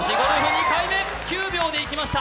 ２回目、９秒でいきました。